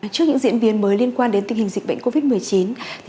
trước những diễn biến mới liên quan đến tình hình dịch bệnh covid một mươi chín